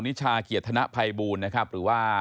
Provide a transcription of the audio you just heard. นิชาเกียรติธนภัยบูลนะครับหรือว่า